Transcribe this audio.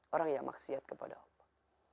orang yang maksiat kepada allah